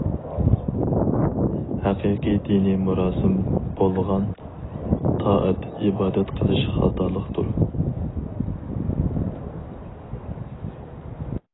ھەقىقىي دىنىي مۇراسىم بولغان تائەت-ئىبادەت قىلىش خاتالىقتۇر.